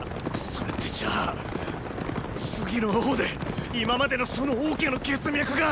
それってじゃあ次の王で今までの楚の王家の血脈が！